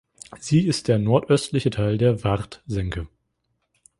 Sie ist der nordöstlichste Teil der Ward-Senke.